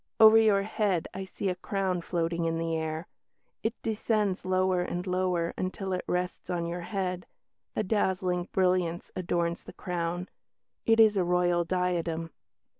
Over your head I see a crown floating in the air. It descends lower and lower until it rests on your head. A dazzling brilliance adorns the crown; it is a Royal diadem."